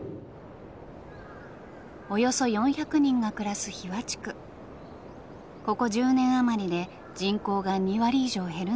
およそ４００人が暮らすここ１０年余りで人口が２割以上減るなど過疎化が進んでいます。